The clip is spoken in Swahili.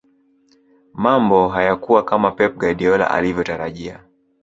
mambo hayakuwa kama pep guardiola alivyotarajia